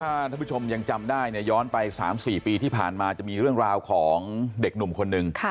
ถ้าท่านผู้ชมยังจำได้เนี่ยย้อนไป๓๔ปีที่ผ่านมาจะมีเรื่องราวของเด็กหนุ่มคนหนึ่ง